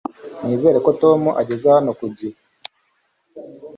nizere ko tom ageze hano ku gihe